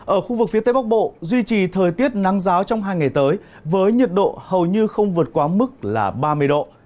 ở khu vực phía tây bắc bộ duy trì thời tiết nắng giáo trong hai ngày tới với nhiệt độ hầu như không vượt quá mức là ba mươi độ